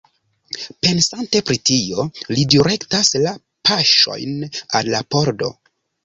Pensante pri tio, li direktas la paŝojn al la pordo.